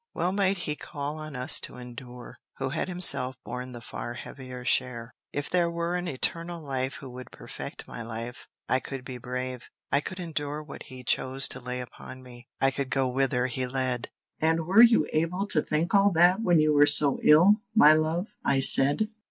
Well might he call on us to endure, who had himself borne the far heavier share. If there were an Eternal Life who would perfect my life, I could be brave; I could endure what he chose to lay upon me; I could go whither he led." "And were you able to think all that when you were so ill, my love?" I said.